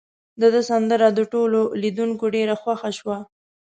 د ده سندره د ټولو لیدونکو ډیره خوښه شوه.